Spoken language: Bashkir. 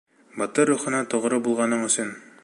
Батыр рухына тоғро булғаның өсөн.